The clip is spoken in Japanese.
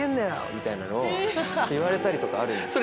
みたいなのを言われたりとかあるんです。